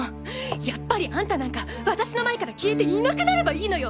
やっぱりあんたなんか私の前から消えていなくなればいいのよ！！